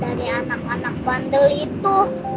dari anak anak bandel itu